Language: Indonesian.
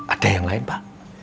ada yang lain pak